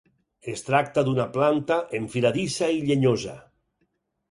Es tracta d'una planta enfiladissa i llenyosa.